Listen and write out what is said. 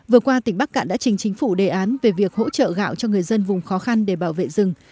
vừa qua tỉnh bắc cạn đã trình chính phủ đề án về việc hỗ trợ gạo cho người dân vùng khó khăn để bảo vệ rừng